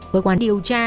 với quan điểm điều tra